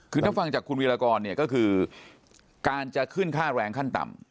คือถ้าฟังจากคุณวิรากรเนี่ยก็คือการจะขึ้นค่าแรงขั้นต่ำ